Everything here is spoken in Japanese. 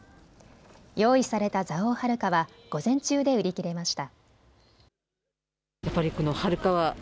用意された蔵王はるかは午前中で売り切れました。